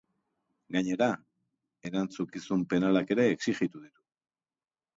Gainera, erantzukizun penalak ere exijitu ditu.